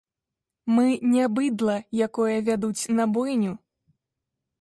Мы не быдла, якое вядуць на бойню.